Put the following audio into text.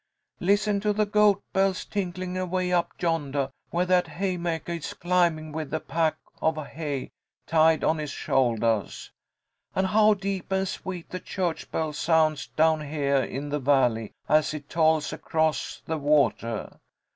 Listen to the goat bells tinklin' away up yondah where that haymakah is climbing with a pack of hay tied on his shouldahs! And how deep and sweet the church bell sounds down heah in the valley as it tolls across the watah!